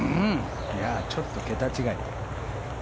ちょっと桁違い。